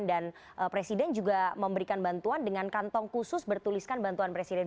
dan presiden juga memberikan bantuan dengan kantong khusus bertuliskan bantuan presiden